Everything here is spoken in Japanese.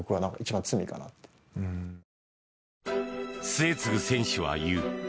末續選手は言う。